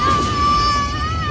hei lelang kembali kak